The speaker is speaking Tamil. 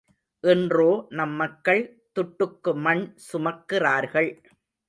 இன்றோ நம் மக்கள் துட்டுக்கு மண் சுமக்கிறார்கள்!